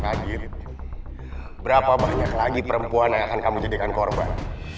kaget berapa banyak lagi perempuan yang akan kami jadikan korban